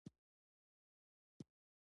وګړي د افغان ځوانانو لپاره دلچسپي لري.